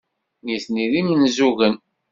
Nitni d imenzugen.